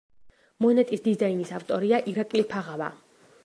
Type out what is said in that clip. მონეტის დიზაინის ავტორია ირაკლი ფაღავა.